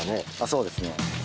そうですね。